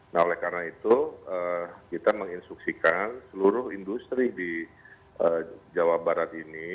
nah oleh karena itu kita menginstruksikan seluruh industri di jawa barat ini